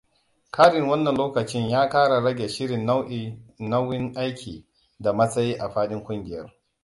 Karin wannan lokacin ya kara rage shirin nauyin aiki da matsi a faɗin kungiyar.